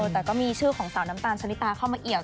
แต่ก็มีชื่อของสาวน้ำตาลชะลิตาเข้ามาเอี่ยว